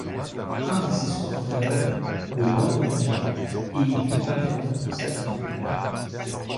Un des escorteurs, le l'endommagea et il dût interrompre sa patrouille.